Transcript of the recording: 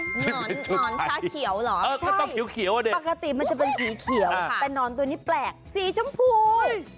นอนชาเขียวเหรอไม่ใช่ปกติมันจะเป็นสีเขียวค่ะแต่นอนตัวนี้แปลกสีชมพู